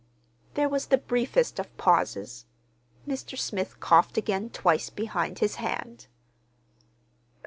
There was the briefest of pauses. Mr. Smith coughed again twice behind his hand.